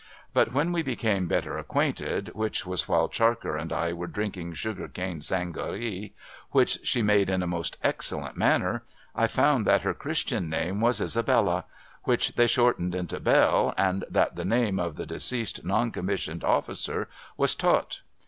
But, when we became better acquainted — which was while Charker and I were drinking sugar cane sangaree, which she made in a most excellent manner— I found that her Christian name was Isabella, which they shortened into Bell, and that the name of the deceased non commissioned officer was Tott.